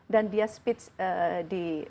dan dia speech di